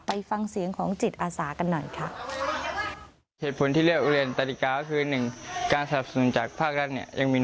ไปฟังเสียงของจิตอาสากันหน่อยค่ะ